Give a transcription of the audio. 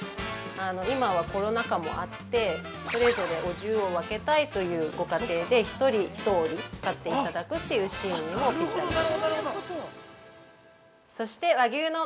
今はコロナ禍もあって、それぞれお重を分けたいというご家庭で、１人１折買っていただくというシーンにもぴったりです。